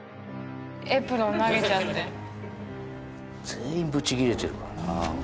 全員ぶちギレてるからな。